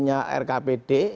kemudian menyesuaikan rkpd